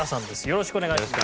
よろしくお願いします。